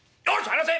離せ！